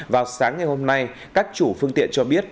vào sáng ngày hôm nay các chủ phương tiện cho biết